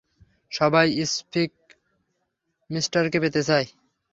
সবাই স্টিফমিস্টারকে পেতে চায়।